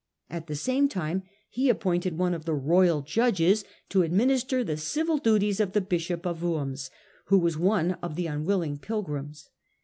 At the same time he appointed one of the Royal Judges to administer the civil duties of the Bishop of Worms, who was one of the unwilling pilgrims.